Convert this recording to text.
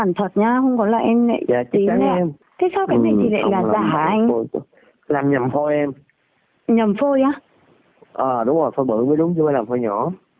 à đúng rồi phôi bự mới đúng chứ không phải làm phôi nhỏ